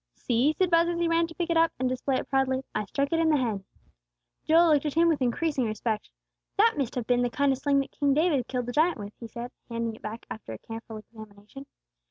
"See!" said Buz, as he ran to pick it up, and display it proudly. "I struck it in the head." Joel looked at him with increasing respect. "That must have been the kind of sling that King David killed the giant with," he said, handing it back after a careful examination.